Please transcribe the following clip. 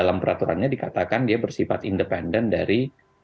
dan peraturannya dikatakan dia bersifat independen dari